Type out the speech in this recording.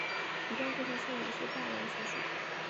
一部分过剩数也是半完全数。